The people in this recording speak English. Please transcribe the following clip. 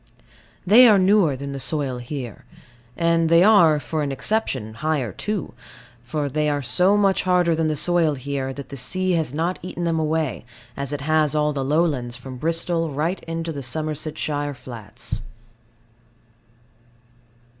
They are newer than the soil here; and they are (for an exception) higher too; for they are so much harder than the soil here, that the sea has not eaten them away, as it has all the lowlands from Bristol right into the Somersetshire flats.